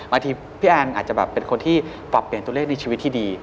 พี่แอนอาจจะแบบเป็นคนที่ปรับเปลี่ยนตัวเลขในชีวิตที่ดี